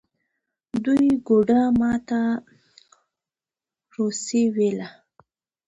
دوی ګوډه ما ته روسي ویله.